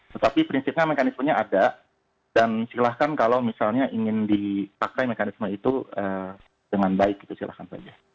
tetapi prinsipnya mekanismenya ada dan silahkan kalau misalnya ingin dipakai mekanisme itu dengan baik gitu silahkan saja